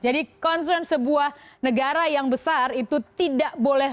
jadi concern sebuah negara yang besar itu tidak boleh